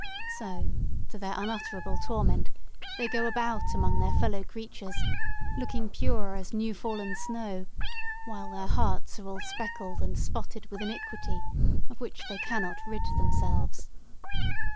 So, to their own unutterable torment, they go about among their fellow creatures, looking pure as new fallen snow, while their hearts are all speckled and spotted with iniquity of which they cannot rid themselves."